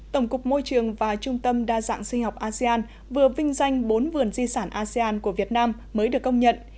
tổng cục môi trường và trung tâm đa dạng sinh học asean vừa vinh danh bốn vườn di sản asean của việt nam mới được công nhận